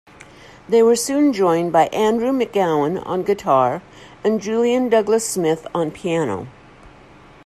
They were soon joined by Andrew McGowan on guitar and Julian Douglas-Smith on piano.